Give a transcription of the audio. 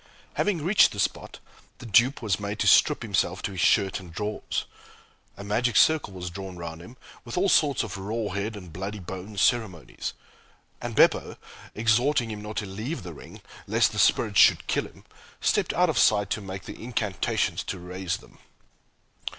Having reached the spot, the dupe was made to strip himself to his shirt and drawers, a magic circle was drawn round him with all sorts of raw head and bloody bones ceremonies, and Beppo, exhorting him not to leave the ring, lest the spirits should kill him, stepped out of sight to make the incantations to raise them.